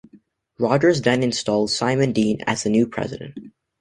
Rogers then installed Simon Dean as the new president.